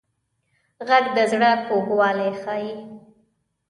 غږ د زړه کوږوالی ښيي